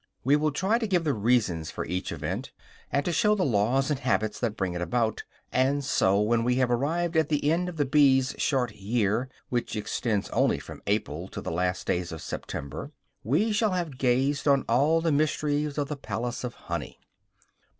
We will try to give the reasons for each event, and to show the laws and habits that bring it about; and so, when we have arrived at the end of the bees' short year, which extends only from April to the last days of September, we shall have gazed on all the mysteries of the palace of honey.